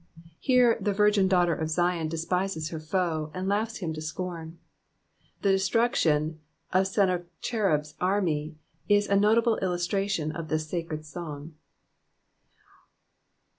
Here the virgin daughter cf Zkm despises her foe, and laughs him to scorn. The destruction of Sennacherib's army is a notable Ulustraiion of this sacred song.